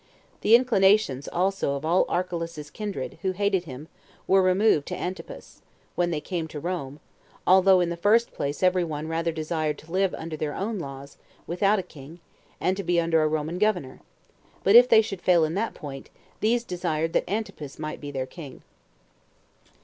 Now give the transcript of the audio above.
The inclinations also of all Archelaus's kindred, who hated him, were removed to Antipas, when they came to Rome; although in the first place every one rather desired to live under their own laws [without a king], and to be under a Roman governor; but if they should fail in that point, these desired that Antipas might be their king.